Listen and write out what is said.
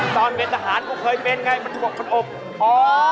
ตอนเวียดทหารก็เคยเป็นไงมันอบ